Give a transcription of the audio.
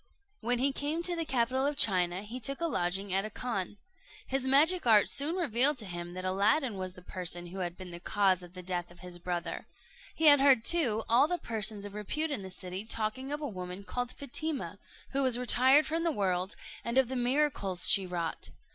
When he came to the capital of China, he took a lodging at a khan. His magic art soon revealed to him that Aladdin was the person who had been the cause of the death of his brother. He had heard, too, all the persons of repute in the city talking of a woman called Fatima, who was retired from the world, and of the miracles she wrought.